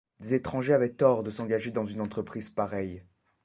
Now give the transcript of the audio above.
Des étrangers avaient tort de s’engager dans une entreprise pareille!